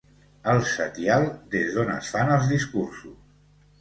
El setial des d'on es fan els discursos.